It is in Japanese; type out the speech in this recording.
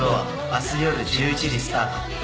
明日よる１１時スタート